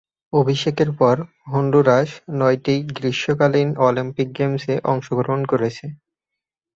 অভিষেকের পর হন্ডুরাস নয়টি গ্রীষ্মকালীন অলিম্পিক গেমসে অংশগ্রহণ করেছে।